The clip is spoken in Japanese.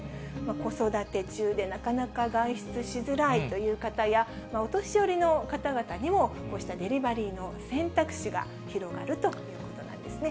子育て中で、なかなか外出しづらいという方や、お年寄りの方々にも、こうしたデリバリーの選択肢が広がるということなんですね。